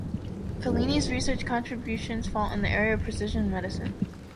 Falini’s research contributions fall in the area of precision medicine.